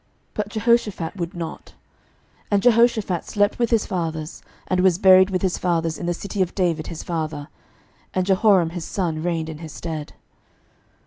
But Jehoshaphat would not. 11:022:050 And Jehoshaphat slept with his fathers, and was buried with his fathers in the city of David his father: and Jehoram his son reigned in his stead.